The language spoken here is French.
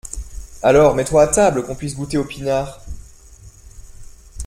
alors mets-toi à table, qu’on puisse goûter au pinard